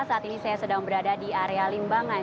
saat ini saya sedang berada di area limbangan